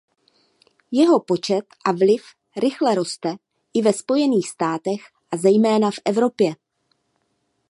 Jeho počet a vliv rychle roste i ve Spojených státech a zejména v Evropě.